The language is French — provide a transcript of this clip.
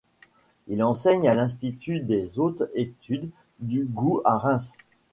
Il enseigne à l'Institut des Hautes Études du Goût à Reims.